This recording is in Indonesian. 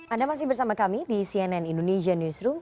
anda masih bersama kami di cnn indonesia newsroom